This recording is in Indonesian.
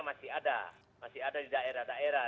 masih ada masih ada di daerah daerah